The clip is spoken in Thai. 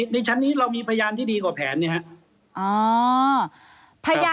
ในชั้นนี้เรามีพยานที่ดีกว่าแผนเนี่ยครับ